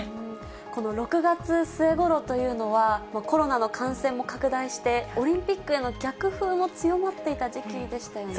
この６月末ごろというのは、コロナの感染も拡大して、オリンピックへの逆風も強まっていた時期でしたよね。